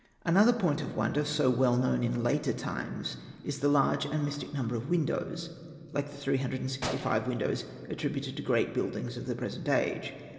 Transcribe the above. Another point of wonder, so well known in later times, is the large and mystic nmiiber of windows, like the 365 windows attributed to great buildings of the present age.